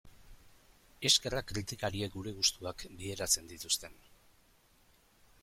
Eskerrak kritikariek gure gustuak bideratzen dituzten...